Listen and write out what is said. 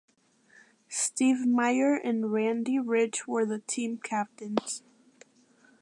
Steve Myer and Randy Rich were the team captains.